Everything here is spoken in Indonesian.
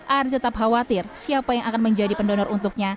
ari tetap khawatir siapa yang akan menjadi pendonor untuknya